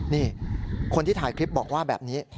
นี่คนที่ถ่ายคลิปบอกว่าแบบนี้